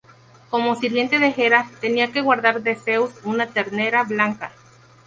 Como sirviente de Hera, tenía que guardar de Zeus una ternera blanca.